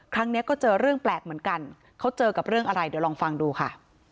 ครั้งนี้ก็เจอเรื่องแปลกเหมือนกันเขาเจอกับเรื่องอะไรเดี๋ยวลองฟังดูค่ะ